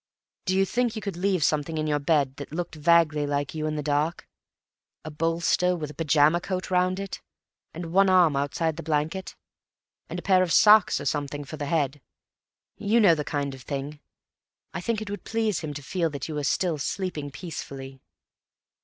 Do you think you could leave something in your bed that looked vaguely like you in the dark? A bolster with a pyjama coat round it, and one arm outside the blanket, and a pair of socks or something for the head. You know the kind of thing. I think it would please him to feel that you were still sleeping peacefully."